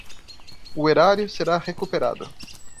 O erário será recuperado